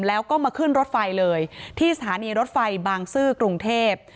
แล้วก็มาขึ้นรถไฟเลยที่สถานีรถไฟบางซื่อกรุงเทพ